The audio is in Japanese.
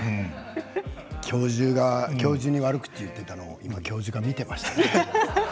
教授が教授の悪口言っていたの、今教授が見ていましたね。